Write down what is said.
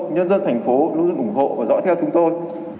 nhân dân thành phố luôn luôn ủng hộ và dõi theo chúng tôi